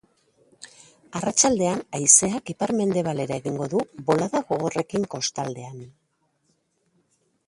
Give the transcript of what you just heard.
Arratsaldean haizeak ipar-mendebaldera egingo du, bolada gogorrekin kostaldean.